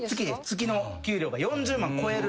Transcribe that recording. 月の給料が４０万超える。